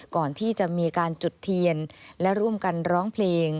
ก่อนที่จะมีการจุดเทียนและร่วมกันร้องเพลง